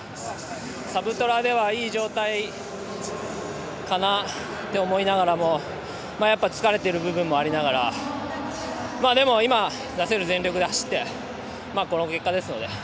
サブトラではいい状態かなって思いながらも疲れている部分もありながらでも今、出せる全力で走ってこの結果ですので。